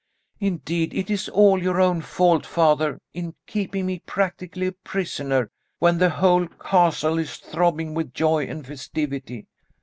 Indeed, it is all your own fault, father, in keeping me practically a prisoner, when the whole castle is throbbing with joy and festivity."